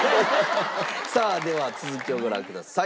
さあでは続きをご覧ください。